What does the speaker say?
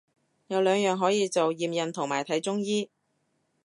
有兩樣可以做，驗孕同埋睇中醫